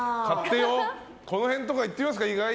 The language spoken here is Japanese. この辺とかいってみますか。